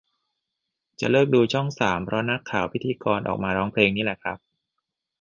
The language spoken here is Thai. จะเลิกดูช่องสามเพราะนักข่าวพิธีกรออกมาร้องเพลงนี่แหละครับ